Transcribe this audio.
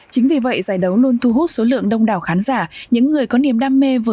chính vì vậy giải đấu luôn thu hút số lượng đông đảo khán giả